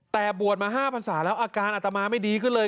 แต่บวชมา๕พันศาแล้วอาการอัตมาไม่ดีขึ้นเลย